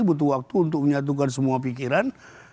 butuh waktu untuk menyatukan semua pikiran